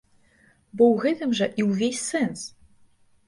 Бо ў гэтым жа і ўвесь сэнс!